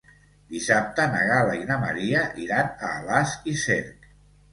Dissabte na Gal·la i na Maria iran a Alàs i Cerc.